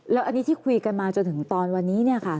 แล้วอันนี้ที่คุยกันมาจนถึงตอนวันนี้